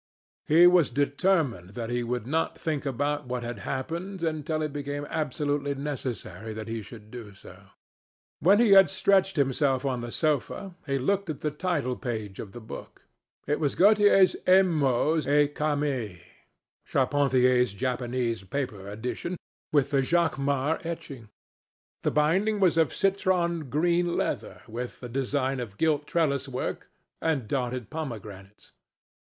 He was determined that he would not think about what had happened until it became absolutely necessary that he should do so. When he had stretched himself on the sofa, he looked at the title page of the book. It was Gautier's "Émaux et Camées", Charpentier's Japanese paper edition, with the Jacquemart etching. The binding was of citron green leather, with a design of gilt trellis work and dotted pomegranates.